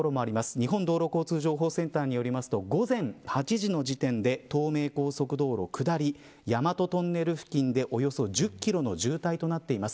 日本道路交通情報センターによると午前８時の時点で東名高速道路下り大和トンネル付近でおよそ１０キロの渋滞となっています。